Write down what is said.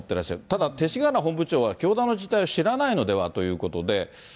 ただ勅使河原本部長は、教団の実態を知らないのではということで。